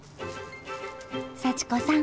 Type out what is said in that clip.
幸子さん